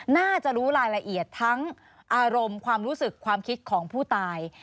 น่าจะรู้รายละเอียดทั้งอารมณ์ความรู้สึกความคิดของผู้ตาย